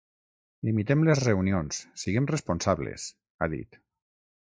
Limitem les reunions, siguem responsables, ha dit.